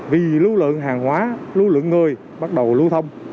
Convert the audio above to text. vì lưu lượng hàng hóa lưu lượng người bắt đầu lưu thông